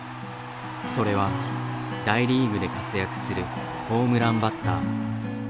それは大リーグで活躍するホームランバッター。